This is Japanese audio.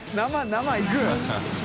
生いく？